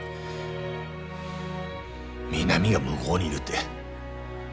美波が向ごうにいるって。